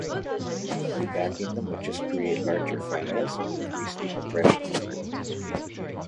Repacking them would just create larger files and increase decompression time.